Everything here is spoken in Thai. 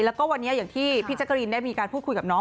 แล้วก็วันนี้อย่างที่พี่แจ๊กรีนได้มีการพูดคุยกับน้อง